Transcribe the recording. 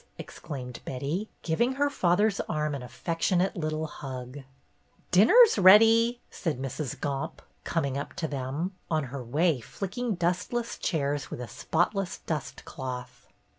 exclaimed Betty, giving her father's arm an affectionate little hug. "Dinner's ready," said Mrs. Gomp, coming up to them, on her way flicking dustless chairs with a spotless dust cloth.